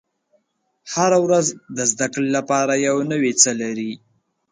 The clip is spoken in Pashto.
• هره ورځ د زده کړې لپاره یو نوی څه لري.